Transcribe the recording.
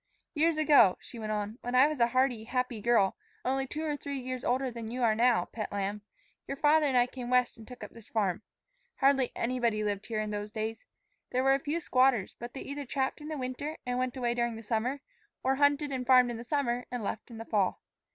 "Years ago," she went on, "when I was a hearty, happy girl, only two or three years older than you are now, pet lamb, your father and I came West and took up this farm. Hardly anybody lived here in those days. They were a few squatters; but they either trapped in the winter and went away during the summer, or hunted and farmed in the summer and left in the fall.